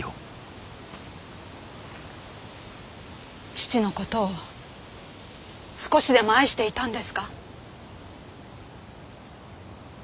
父のことを少しでも愛していたんですか？